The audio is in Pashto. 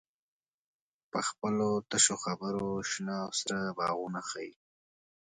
په خپلو تشو خبرو شنه او سره باغونه ښیې.